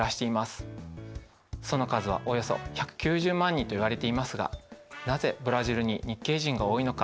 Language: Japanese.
その数はおよそ１９０万人といわれていますがなぜブラジルに日系人が多いのか